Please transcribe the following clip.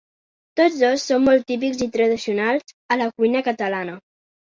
Tots dos són molt típics i tradicionals a la cuina catalana.